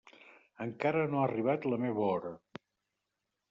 Encara no ha arribat la meva hora.